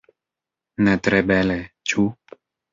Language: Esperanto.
Ne tre bele, ĉu?